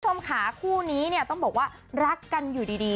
คุณผู้ชมค่ะคู่นี้เนี่ยต้องบอกว่ารักกันอยู่ดี